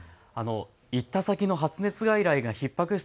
行った先の発熱外来がひっ迫し